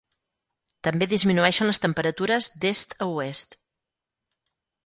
També disminueixen les temperatures d'est a oest.